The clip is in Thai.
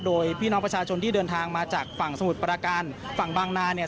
โดยพี่น้องประชาชนที่เดินทางมาจากฝั่งสมุทรประการฝั่งบางนาเนี่ย